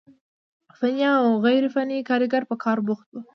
فني او غير فني کاريګر په کار بوخت وي،